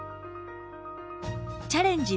「チャレンジ！